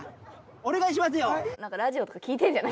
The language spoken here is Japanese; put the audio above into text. お願いしますよ。